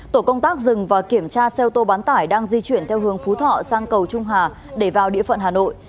tổ công tác dừng và kiểm tra xe ô tô bán tải đang di chuyển theo hướng phú thọ sang cầu trung hà để vào địa phận hà nội